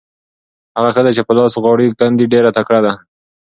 هغه ښځه چې په لاس غاړې ګنډي ډېره تکړه ده.